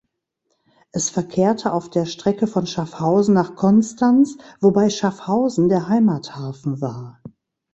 Es verkehrte auf der Strecke von Schaffhausen nach Konstanz, wobei Schaffhausen der Heimathafen war.